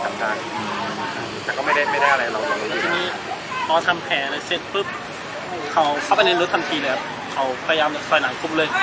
เขาเข้าไปในรถทันทีแล้วเขาประยามล่ะถอยหลังพบเลย